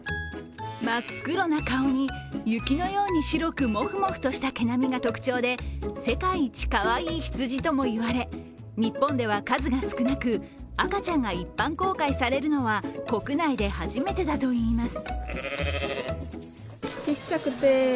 真っ黒な顔に、雪のように白くモフモフとした毛並みが特徴で世界一かわいい羊とも言われ、日本では数が少なく、赤ちゃんが一般公開されるのは国内で初めてだといいます。